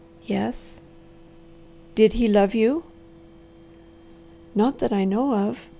"Yes." "Did he love you?" "Not that I know of.